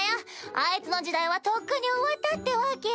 あいつの時代はとっくに終わったってわけ。